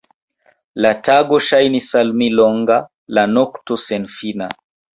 La tago ŝajnis al mi longa; la nokto, senfina.